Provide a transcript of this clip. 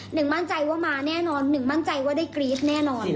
หนึ่งมั่นใจว่ามาแน่นอนหนึ่งมั่นใจว่าได้กรี๊ดแน่นอน